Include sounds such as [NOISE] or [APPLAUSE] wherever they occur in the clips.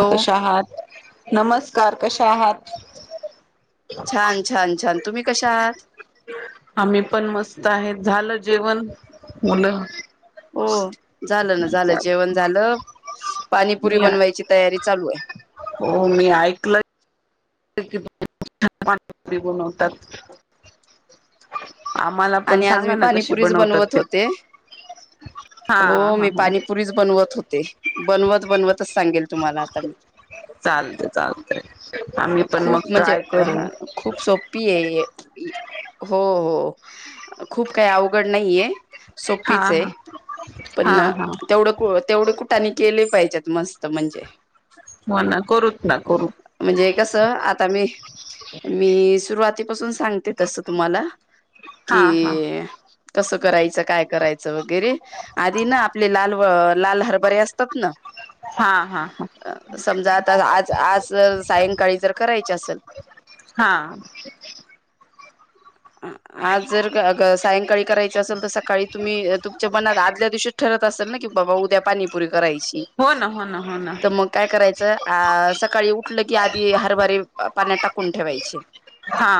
Hello कशा आहात? नमस्कार! कशा आहात? छान छान छान! तुम्ही कशा आहात? आम्ही पण मस्त आहे. झालं जेवण? मुलं? हो. झालं ना, झालं जेवण झालं. पाणीपुरी मी बनवायची तयारी चालू आहे. हो मी ऐकलं [UNINTELLIGIBLE] आम्हाला पण आणि आज सांगा मी ना कशी पाणीपुरीच बनवतात बनवत ते होते. हा हो. हा मी हा पाणीपुरीच बनवत होते. बनवत बनवतच सांगेल तुम्हाला आता मी. चालतय चालतय. आम्ही पण खूप मग म्हणजे ट्राय करू. हा खूप सोपी आहे. ये हो हो. खूप काही अवघड नाहीये. हा सोपीच आहे, हा हा पण हा तेवढं कु तेवढे कुठाने केले पाहिजेत मस्त म्हणजे. हो ना करूत ना. करू. म्हणजे कसं आता मी मी सुरुवातीपासून सांगते तसं तुम्हाला. हा हा कि, कसं करायचं काय करायचं वगैरे. आधी ना आपले लाल व लाल हरभरे असतात ना, हा हा हा अ समजा आता आज आज सायंकाळी जर करायची असल हां. आ- आज जर का क सायंकाळी करायच असेल तर, सकाळी तुम्ही तुमच्या मनात आदल्या दिवशी ठरत असेल ना. की बाबा उद्या पाणीपुरी करायची. हो ना हो ना हो ना तर मग काय करायचं अ सकाळी उठलं की आधी हरभारे पाण्यात टाकून ठेवायचे. हा.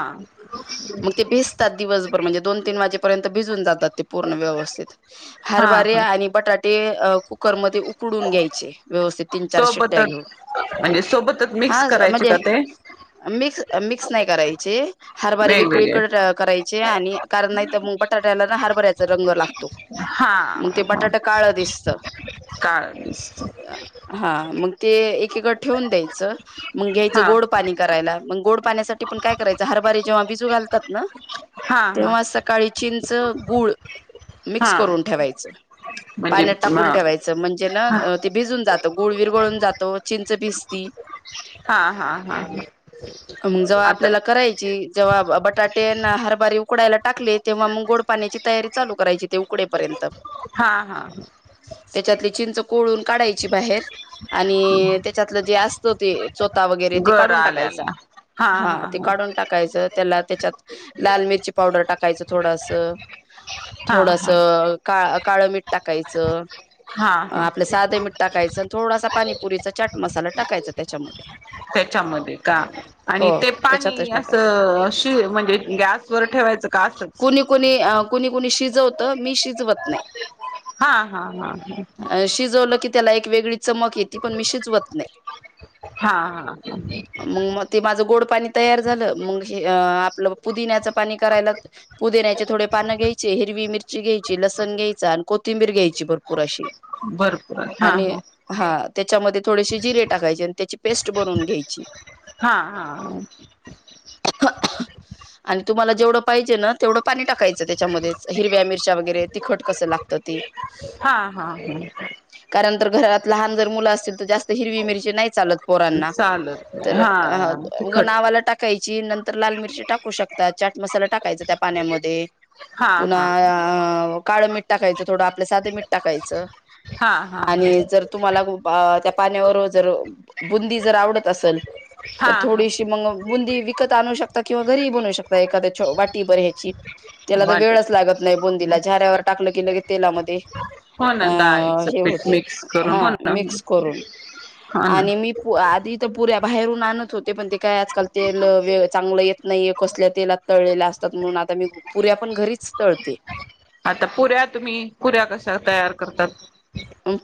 मग ते भिजतात दिवसभर. म्हणजे दोन तीन वाजेपर्यंत भिजून जातात ते पूर्ण व्यवस्थित. हा हरभरे हा आणि बटाटे कुकरमध्ये उकडून घ्यायचे व्यवस्थित. तीन चार शिट्ट्या सोबतच घेऊन. म्हणजे सोबतच मिक्स हा करायचे म्हणजे का ते मिक्स मिक्स नाही करायचे. हरबारे वेगवेगळे टाक करायचे आणि कारण नाही तर मग बटाट्याला ना हारबऱ्याचा रंग लागतो. हा मग ते हा बटाट काळ दिसत. काळ मिक्स हा मग ते एकीकडे ठेवून द्यायचं. मग घ्यायचं हा गोड पाणी करायला. मग गोड पाण्यासाठी पण काय करायचं, हरबारे जेव्हा भिजू घालतात ना, हा हा तेव्हा सकाळी चींचं गूळ मिक्स हा करून ठेवायच. म्हणजे पाण्यात म टाकून ठेवायच. म्हणजे ना हा ते भिजून जात. गुळ वीरघळून जातो, चिंच भिजती. हा हा हा हा. मग जेव्हा आता आपल्याला करायची. जवा ब बटाटे न हरबारे उकडायला टाकले, तेव्हा मग गोड पाण्याची तयारी चालू करायची ते उकडेपर्यंत. हा हां हां. त्याच्यातली चिंच कोळून काढायची बाहेर आणि त्याच्यातलं जे असत ते चोथा वगैरे ते गर काढून टाकायचा. आल्याला हा ते काढून टाकायच. त्याला त्याच्यात लाल मिरची पावडर टाकायचं थोडस. हा थोडस हा काळ काळं मीठ टाकायचं. हा अ हा आपलं साधं मीठ टाकायचं आणि थोडासा पाणीपुरीचा चाट मसाला टाकायचा त्याच्यामध्ये त्याच्यामध्ये का आणि हो ते त्याच्यातच पाणी अस टाकाय म्हणजे गॅस वर ठेवायचं का असंच? कुणी, कुणी, कुणी, कुणी शिजवत मी शिजवत नाही हा हा हा अ शिजवलं की त्याला एक वेगळी चमक येते पण मी शिजवत नाही. हा हा मग ते माझं गोड पाणी तयार झालं मग हे आपलं पुदिन्याचं पाणी करायला. पुदिण्याचे थोडे पानं घ्यायचे हिरवी मिरची घ्यायची लसण घ्यायंचा आणि कोथिंबीर घ्यायची भरपूर अशी भरपूर हा आणि हा हा, त्याच्यामध्ये थोडेशी जिरे टाकायचे आणि त्याची पेस्ट बनवून घ्यायची हा हा [UNINTELLIGIBLE] आणि तुम्हाला जेवढं पाहिजे ना तेवढं पाणी टाकायचं त्याच्यामध्येच हिरव्या मिरच्या वगैरे तिखट कसं लागतं ती हा हा ह कारण तर घरात लहान जर मुलं असतील तर जास्त हिरवी मिरची नाही चालत पोरांना चालत नाही तर हा उग तिखट नावाला टाक टाकायची नंतर लाल मिरची टाकू शकतात चाट मसाला टाकायचा त्या पाण्यामध्ये. हा हा पुन्हा अ काळं मिठ टाकायचं थोडं आपल्या साध मिठ टाकायचं हा हा आणि जर तुम्हाला त्या पाण्यावर जर बुंदी जर आवडत असल हा तर हा थोडीशी मग बुंदी विकत आणू शकतात. किंवा घरी बनू शकता एखाद्या वाटी भर्याची त्याला तर वाटेल वेळच लागत नाही बुंदीला झाऱ्यावर टाकलं की लगेच तेलामध्ये हो ना अ डाळीचं हे पीठ होते मिक्स हा करून हो, ना मिक्स करून हो ना आणि मी पु आधी तर पुऱ्या बाहेरून आणत होते पण ते काय आजकाल तेल व चांगलं येत नाहीे कसल्या तेलात तळलेल्या असतात म्हणून आता मी पुऱ्या पण घरीच तळते आता पुऱ्या तुम्ही पुऱ्या कशा तयार करतात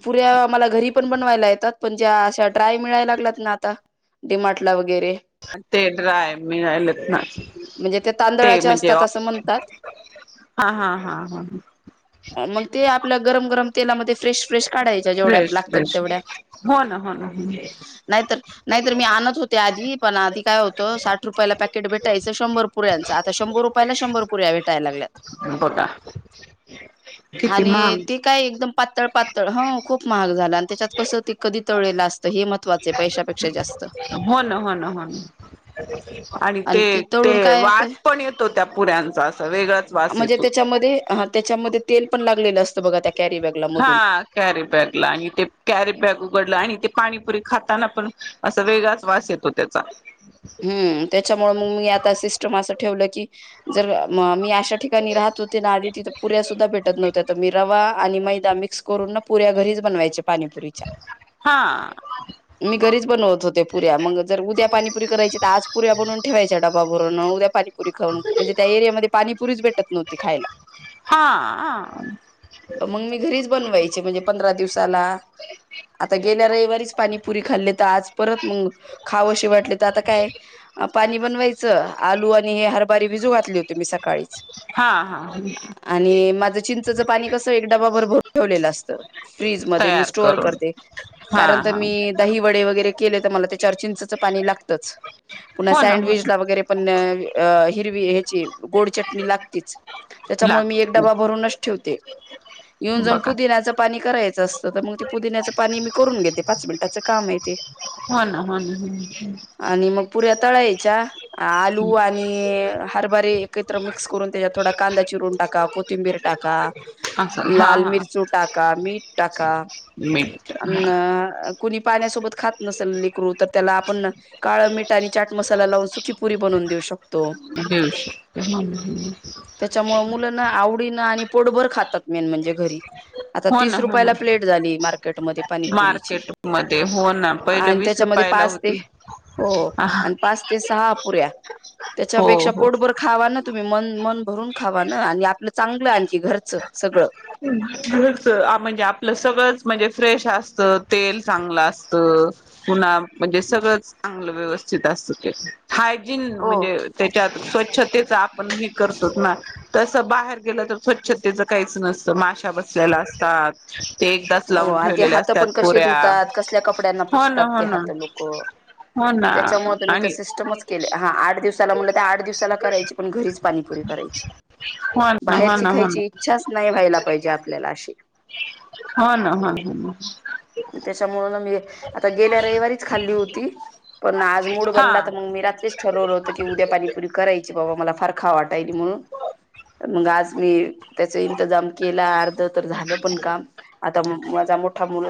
पुऱ्या मला घरी पण बनवायला येतात पण ज्या अशा ड्राय मिळायला लागलात ना आता डीमार्ट ला वगैरे ते ड्राय मिळालेत ना म्हणजे ते तांदळाचे म्हणजे, असतात असं म्हणतात हा हा हा हा मग ते आपल्या गरम गरम तेलामध्ये फ्रेश फ्रेश काढायच्या जेवढ्या फ्रेश लागतात फ्रेश तेवढ्या, हो ना हो ना हो. नाहीतर नाहीतर मी आणत होते आधी पण आधी काय होतं साठ रुपयाला पॅकेट भेटायचं शंभर पुऱ्यांचा आता शंभर रुपयाला शंभर पुऱ्या भेटायला लागल्यात बघा किती आणि महाग ते काय एकदम पातळ पात हो खूप महाग झाल आणि त्याच्यात कसं ते कधी तळलेलं असतं हे महत्वाचं आहे पैशापेक्षा जास्त हो ना, हो ना, हो ना आणि ते ते तळून काय होतंय वास पण येत होत्या पुऱ्यांचा असं वेगळाच वास येतो हा त्याच्यामध्ये तेल पण लागलेलं असतं बघा त्या कॅरी बॅगला मधून हा कॅरी बॅग ला आणि ते कॅरी बॅग उघडलं आणि ते पाणीपुरी खाताना पण असा वेगळाच वास येतो त्याचा. हम्म, त्याच्यामुळ मग मी आता सिस्टम असं ठेवलं की जर मी अशा ठिकाणी राहत होते ना आधी तिथ पुऱ्या सुद्धा भेटत नव्हत्या तर मी रवा आणि मैदा मिक्स करून ना पुऱ्या घरीच बनवायचे पाणीपुरी हा मी घरीच बनवत होते पुऱ्या मग जर उद्या पाणी पुरी करायची तर आज पुऱ्या बनून ठेवायच्या डब्बा भरून उद्या पाणी. पुरी खाऊन म्हणजे त्या एरियामध्ये पाणीपुरीच भेटत नव्हती खायला हा तर मम्मी घरीच बनवायचे म्हणजे पंधरा दिवसाला. आता गेल्या रविवारीच पाणीपुरी खाल्ली तर आज परत खावशी वाटली आता काय पाणी बनवायचं आलू आणि हे हरभारी भिजू घातली होती मी सकाळीच. हा हा. आणि माझं चिंचचं पाणी कसं एक डबा भर भरून ठेवलेलं असतं. फ्रीज मध्ये मी तयार स्टोअर करून करते हा कारण तर हा मी दही वडे वगैरे केले तर मला त्यच्यावर चिंचच पाणी लागत पुन्हा हो ना हो ना सडविचला वगैरे पण अ हिरवी ह्यची गोड चटणी लागतीच. त्याच्यामुळे मी एक लागत डबा भरूनच ठेवते. येऊन जाऊन बघा पुदिण्याचं पाणी करायचं असतं तर मग ते पुदिण्याचं पाणी मी करून घेते पाच मिनिटाचं काम आहे ते. ह ना, हो ना, ह. आणि मग पुऱ्या तळायच्या आलू आणि आणि हरभारी एकत्र मिक्स करून त्याच्यात थोडा कांदा चिरून टाका, कोथिंबीर टाका. असं हा लाल हा मिरची टाका, मीठ टाका मीठ अ हा कुणी पाण्यासोबत खात नसेल लेकरू तर त्याला आपण काळं मीठ आणि चाट मसाला लावून सुखी पुरी बनून देऊ शक हम्म, हम हम ह. नाही आवडी ना आणि पोटभर खातात मेन म्हणजे घरी. आता हो ना तीस हो ना हो रुपयाला ना प्लेट झाली मार्केटमध्ये पाणीपुरीची. मार्केट मध्ये हो ना [INAUDIBLE] पहिलं आणि वीस त्याच्यामध्ये रुपयाला पाच ते होती हो, आणि पाच ते सहा अपुऱ्या हो त्याच्यापेक्षा हो पोटभर खावा ना. तुम्ही मन, मन भरून खावा ना आणि आपलं चांगलं आणखी घरच सगळं. म्हणजे आपलं सगळंच म्हणजे फ्रेश असत तेल चांगलं अस त पुन्हा म्हणजे सगळंच आपलं व्यवस्थित असत ते. हायजीन हो म्हणजे त्याच्यात स्वच्छतेचा पण मी करतोच ना तसं बाहेर गेलं तर स्वचछतेचं काहीच नस तिथं माशा बसलेल्या असतात ते एकदाच हो लावून आणि ते ठेवलेल्या हात पण असतात कसे पुऱ्या धुतात कसल्या कपड्यांना हो ना पुसतात हो ते ना हात लोक. हो ना त्याच्यामुळे मी आणि सिस्टमच केले ह आठ दिवस त्याला म्हणटल आठ दिवसाला करायची पण घरीच पाणीपुरी करायची, हो ना हो बाहेरची ना हो ना खायची इच्छाच नाही व्हायला पाहिजे आपल्याला अशी. हा ना हा ह. त्याच्यामुळे मग आता गेल्या रविवारीच खाल्ली होती पण आज मुड हा बनला तर मी रात्रीचं ठरवलं होतं की उद्या पाणीपुरी करायची बाबा मला फार खा वाटायल म्हणून. मग आज मी त्याचा इंंतजाम केला अर्ध तर झालं पण काम. आता माझा मोठा मुल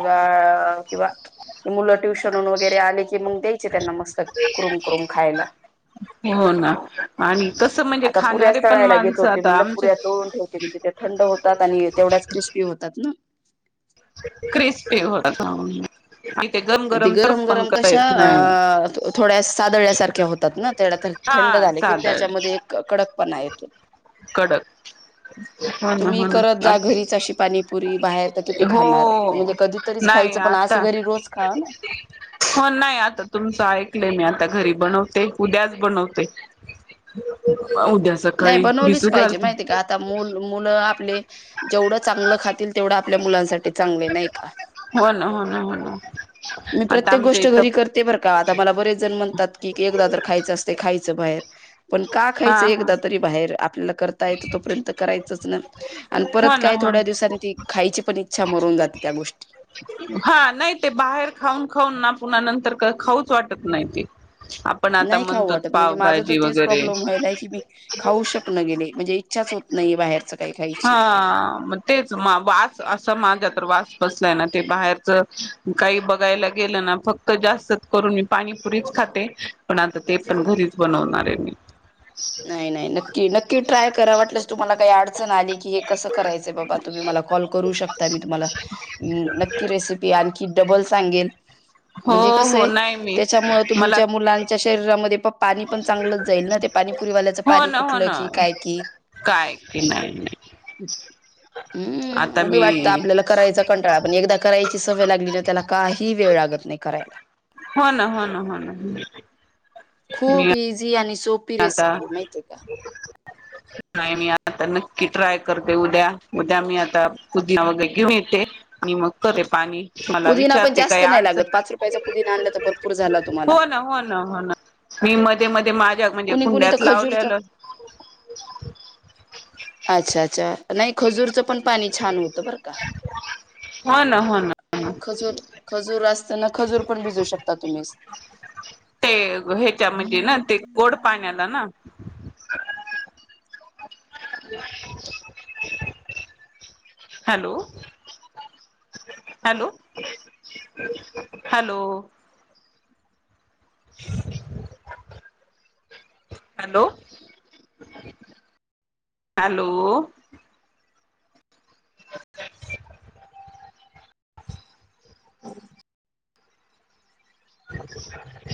किंवा मुलं ट्युशन वगैरे आले कि मग द्यायचे त्यांना मस्त क्रुम क्रुम खायला. हो ना आणि कसं म्हणजे आता पुऱ्याच खाणारे पण तळायला घेतले माणसं होते आता म्हणलं आमच्या पुऱ्या तळून ठेवते म्हजे त्या थंड होतात आणि तेवढ्याच क्रिस्पी होतात ना. क्रिस्पी होतात हा. ती गरम-गरम कशा नाही अ थोड्या सादळ्यासारख्या होतात ना तेढ्या तर थंड हा झाले किं सादळ त्याच्यामध्ये एक कडक पणा येतो. कडक. हो ना तुम्ही हो करत ना जा घरीच अशी पाणीपुरी बाहेर तर किती खाणार हो म्हणजे कधीतरीच नाही खायचं पण असं आता घरी रोज खावा ना. हो नाही आता तुमचं ऐकलंय मी आता घरी बनवते उद्याच बनवते. उद्या नाही सकाळी. बनवलीच भिजू पाहिजे घालते माहिती का आता मुल-मुलं आपले जेवढ चांगलं खातील तेवढं आपल्या मुलांसाठी चांगले नाही का? हो ना हो ना हो ना. मी आता प्रत्येक आमच्या गोष्ट इथं घरी कर ते बरं का आता मला बरेच जण म्हणतात की एकदा तर खायचं असते खायचं बाहेर पण का हा खायचं हा एकदा तरी बाहेर आपल्याला करता येत तोपर्यंत करायचंच ना. आणि हो परत ना काय हो थोड्या ना दिवसांनी ती खायची पण इच्छा मरून जाते त्या गोष्टी हा नाही ते बाहेर खाऊन खाऊन ना पुन्हा नंतर खाऊच वाटत नाही ते आपण आता नाही खाऊ म्हणतोत वाटत म्हणजे माझं तर पावभाजी तेच वगैरे प्रॉब्लेम की मी खाऊ शकनं गेले म्हणजे इच्छाच होत नाहीे बाहेरच काही खायची. हा म तेच मा वास असा माझा तर वास बसलाय ना ते बाहेरच काही बघायला गेलं ना फक्त जास्त करून मी पाणीपुरीच खाते. पण आता ते पण घरीच बनवणार आहे मी. नाही नाही ल की नक्की ट्राय करा वाटल्यास तुम्हाला काही अडचण आली की हे कसं करायचंय बाबा तुम्ही मला कॉल करू शकत ता मी तुम्हाला नक्की रेसिपी आणखी डबल सांगेन हो म्हणजे हो कसय नाही मी त्याच्यामुळे मला तुमच्या मुलांच्या शरीरामध्ये प पाणी पण चांगलंच जाईल ना पाणीपुरीवाल्याच हो पाणी ना हो कुठलं ना कि काय कि काय की नाही नाही हम्म आता उगी वाटतं मी आपल्याला करायचा कंटाळा पण एकदा करायची सवय लागली त्याला काही वेळ लागत नाही करायला. हो ना हो ना हो ना. खूप मी इझी आणि सोपी आता रेसिपी माहिती आहे का? नाही मी आता नक्की ट्राय करते उद्या उद्या मी आता पुदिना वगैरे घेऊन येते. आणि मग करे पाणी मला पुदिना पण विचारते जास्त काही नाही अडचण लागत पाच रुपयाचा पुदिना आणला तर भरपूर झाला तुम्हाला हो ना हो ना हो ना. मी मध्ये मध्ये माझ्या म्हणजे कुणी कुणी तर कुंड्यात खजूरचं लावलेलं. अच्छा अच्छा नाही खजूरचं पण पाणी छान होतं बरं का. हो ना हो ना. हो ना खजूर खजूर असताना खजूर पण भिजू शकता तुम्ही ते ह्याच्यामध्ये गोड पाण्याला ना? Hello. Hello, hello.. hello.. hello.. [INAUDIBLE] [UNINTELLIGIBLE] ह [INAUDIBLE] [UNINTELLIGIBLE]